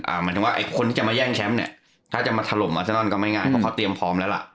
หมายถึงว่าไอ้คนที่จะมาแย่งแชมป์เนี่ยถ้าจะมาถล่มอาเซนอนก็ไม่ง่ายเพราะเขาเตรียมพร้อมแล้วล่ะ